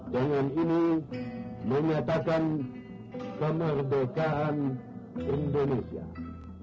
dengan ini menyatakan kemerdekaan indonesia